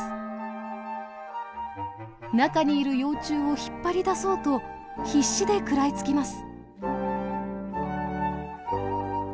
中にいる幼虫を引っ張り出そうと必死で食らいつきます。